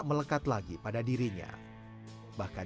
selamat pagi atta